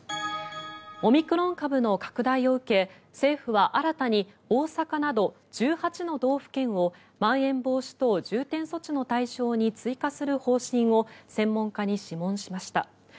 オミクロン株の拡大を受け政府は新たに大阪など１８の道府県をまん延防止等重点措置の対象に追加する方針を専門家に諮問しました。